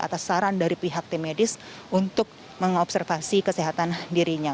atas saran dari pihak tim medis untuk mengobservasi kesehatan dirinya